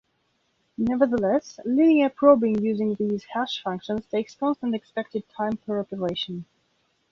Nevertheless, linear probing using these hash functions takes constant expected time per operation.